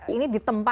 ini ditempa ya